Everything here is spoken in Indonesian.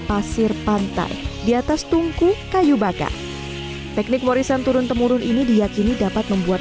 pasir pantai di atas tungku kayu bakar teknik warisan turun temurun ini diyakini dapat membuat